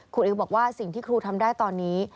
อิ๋วบอกว่าสิ่งที่ครูทำได้ตอนนี้